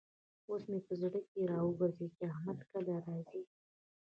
اوس مې په زړه کې را وګرزېد چې احمد کله راځي.